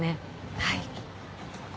はい。